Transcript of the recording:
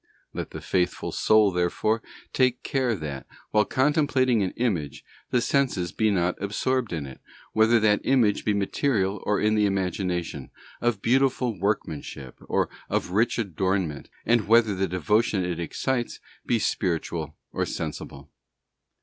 Let the faithful soul, therefore, take care that, while contemplating an image, the senses be not absorbed in it, whether that image be material or in the imagination, of beautiful workmanship or of rich adornment, and whether the devotion it excites be spiritual or sensible.